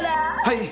はい！